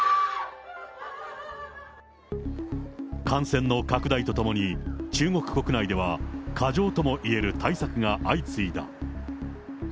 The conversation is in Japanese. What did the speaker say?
感染の拡大とともに、中国国内では過剰ともいえる対策が相次いだ。